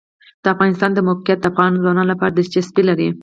د افغانستان د موقعیت د افغان ځوانانو لپاره دلچسپي لري.